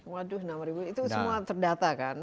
waduh enam ribu itu semua terdata kan